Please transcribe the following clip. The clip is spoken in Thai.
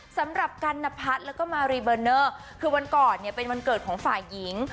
กันนพัฒน์แล้วก็มารีเบอร์เนอร์คือวันก่อนเนี่ยเป็นวันเกิดของฝ่ายหญิง